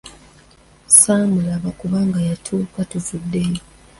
Saamulaba kubanga yatuuka tuvuddeyo.